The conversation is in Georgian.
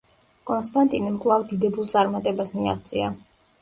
კონსტანტინემ კვლავ დიდებულ წარმატებას მიაღწია.